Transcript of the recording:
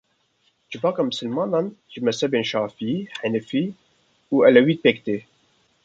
Civaka misilmanan ji mezhebên şafiî, henefî û elewî pêk tê.